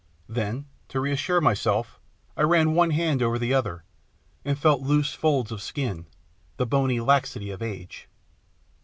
Then, to reassure myself I ran one hand over the other, and felt loose folds of skin, the bony laxity of age.